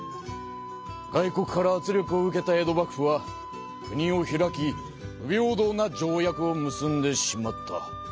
外国から圧力を受けた江戸幕府は国を開き不平等な条約を結んでしまった。